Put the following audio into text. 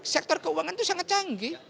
sektor keuangan itu sangat canggih